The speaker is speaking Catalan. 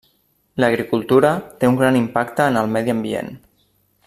L'agricultura té un gran impacte en el medi ambient.